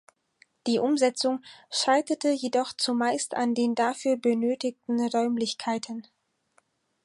Die Umsetzung scheiterte jedoch zumeist an den dafür benötigten Räumlichkeiten.